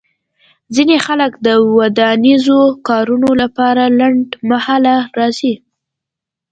ځینې خلک د ودانیزو کارونو لپاره لنډمهاله راځي